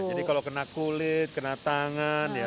jadi kalau kena kulit kena tangan